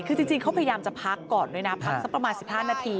คือจริงเขาพยายามจะพักก่อนด้วยนะพักสักประมาณ๑๕นาที